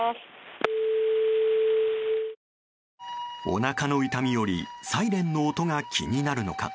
おなかの痛みよりサイレンの音が気になるのか。